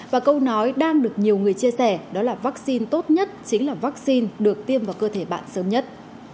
và câu nói đang được nhiều người chia sẻ đó là vaccine tốt nhất chính là vaccine được tiêm vào cơ thể bạn sớm nhất